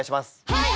はい！